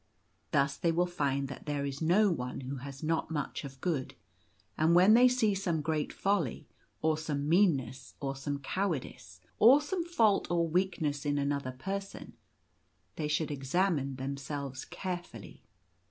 Thus they will find that there is no one who has not much of good; and when they see some great folly, or some meanness, or some cowardice, or some fault or weakness in another person, they should examine themselves carefully.